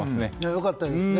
良かったですね。